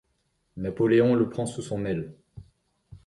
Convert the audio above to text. Napoléon le prend sous son aile.